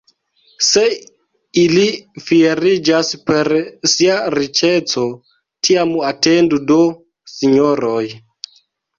Se ili fieriĝas per sia riĉeco, tiam atendu do, sinjoroj!